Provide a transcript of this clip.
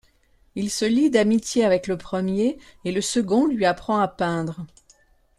Il se lie d'amitié avec le premier et le second lui apprend à peindre.